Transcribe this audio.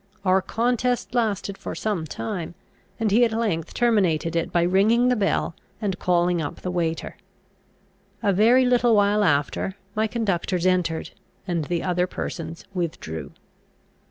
Our contest lasted for some time, and he at length terminated it by ringing the bell, and calling up the waiter. A very little while after, my conductors entered, and the other persons withdrew.